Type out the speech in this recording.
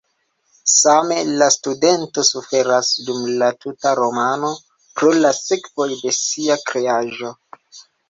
Same la studento suferas dum la tuta romano pro la sekvoj de sia kreaĵo.